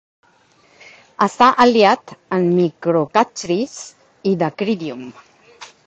Està aliat amb "Microcachrys" i "Dacrydium".